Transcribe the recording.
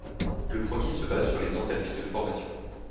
Le premier se base sur les enthalpies de formation.